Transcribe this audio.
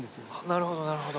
なるほどなるほど。